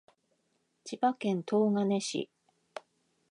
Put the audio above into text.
千葉県東金市